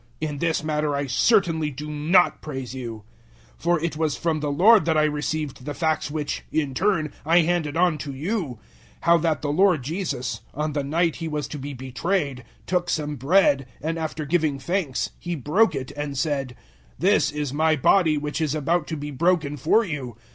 In this matter I certainly do not praise you. 011:023 For it was from the Lord that I received the facts which, in turn, I handed on to you; how that the Lord Jesus, on the night He was to be betrayed, took some bread, 011:024 and after giving thanks He broke it and said, "This is my body which is about to be broken for you.